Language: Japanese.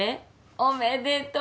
おめでとう！